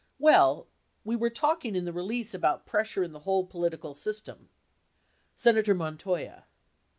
Well, we were talking in the release about pres sure in the whole political system. Senator Montoya.